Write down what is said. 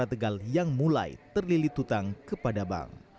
karena perusahaan pantai tegal yang mulai terlilih tutang kepada bank